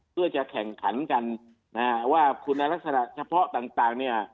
เพื่อจะแข่งขันกันนะฮะว่าคุณลักษณะเฉพาะต่างเนี่ย